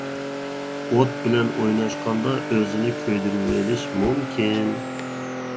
ئوت بىلەن ئويناشقاندا ئۆزىنى كۆيدۈرۈۋېلىش مۇمكىن.